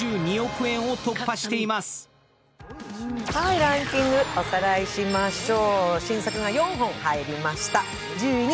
ランキングおさらいしましょう。